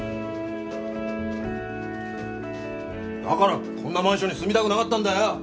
だからこんなマンションに住みたくなかったんだよ！